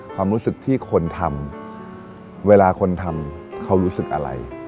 ความรู้สึกที่คนทำเวลาคนทำเขารู้สึกอะไร